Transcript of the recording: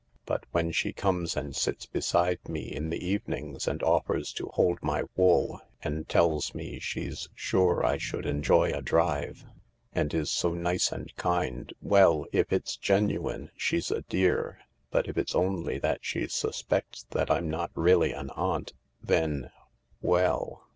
But when she comes and sits beside me in the evenings and offers to hold my wool, and tells me she's sure I should enjoy a drive, and is so nice and kind — well, if it's genuine she's a dear, but if it's only that she suspects that I'm not really an aunt, then — well